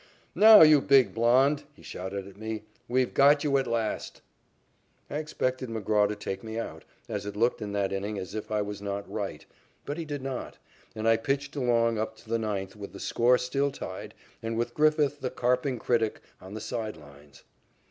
"Now, you big blond," he shouted at me, "we've got you at last." I expected McGraw to take me out, as it looked in that inning as if I was not right, but he did not, and I pitched along up to the ninth with the score still tied and with Griffith, the carping critic, on the side lines.